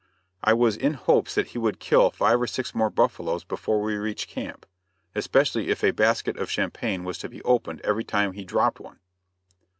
I was in hopes that he would kill five or six more buffaloes before we reached camp, especially if a basket of champagne was to be opened every time he dropped one.